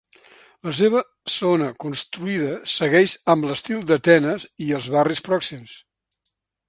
La seva zona construïda segueix amb l'estil d'Atenes i els barris pròxims.